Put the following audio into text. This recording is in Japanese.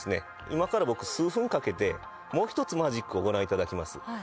今から僕数分かけてもう一つマジックをご覧いただきます。